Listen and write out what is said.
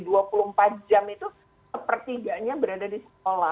dua puluh empat jam itu sepertiganya berada di sekolah